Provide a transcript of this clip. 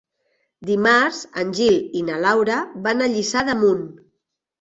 Dimarts en Gil i na Laura van a Lliçà d'Amunt.